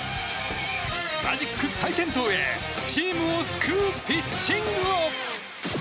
マジック再点灯へチームを救うピッチングを。